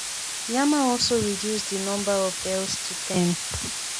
Yama also reduced the number of hells to ten.